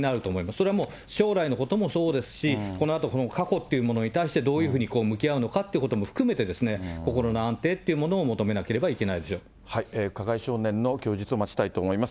それはもう将来のこともそうですし、このあと過去というものに対してどういうふうに向き合うのかっていうことも含めてですね、心の安定というものを求めなければいけ加害少年の供述を待ちたいと思います。